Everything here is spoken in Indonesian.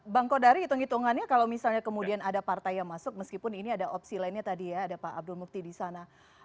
bang kodari hitung hitungannya kalau misalnya kemudian ada partai yang masuk meskipun ini ada opsi lainnya tadi ya ada pak abdul mukti di sana